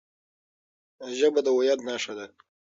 ژبه د هويت نښه ده.